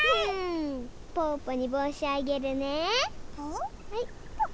ぽぅぽにぼうしあげるね。